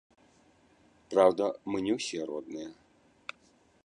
Праўда, мы не ўсе родныя.